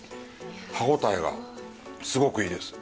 歯応えがすごくいいです。